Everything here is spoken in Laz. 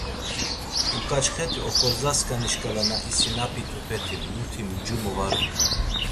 Uǩaçxeti oxorzasǩani şǩala na isinapitupeti muti mcumu var uğun.